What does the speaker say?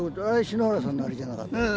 篠原さんのあれじゃなかった？